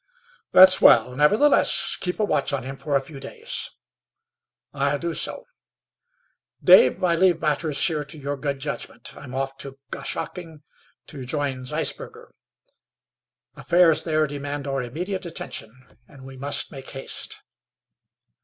"That's well. Nevertheless keep a watch on him for a few days." "I'll do so." "Dave, I leave matters here to your good judgment. I'm off to Goshocking to join Zeisberger. Affairs there demand our immediate attention, and we must make haste."